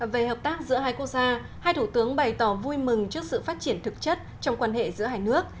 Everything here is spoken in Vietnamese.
về hợp tác giữa hai quốc gia hai thủ tướng bày tỏ vui mừng trước sự phát triển thực chất trong quan hệ giữa hai nước